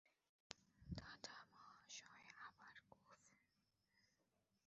দাদামহাশয়ের অবার গোঁফ!